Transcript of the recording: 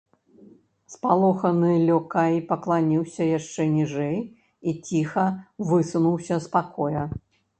Спалоханы лёкай пакланіўся яшчэ ніжэй і ціха высунуўся з пакоя.